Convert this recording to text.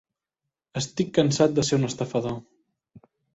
Estic cansat de ser un estafador.